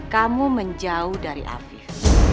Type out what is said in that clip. kamu menjauh dari afif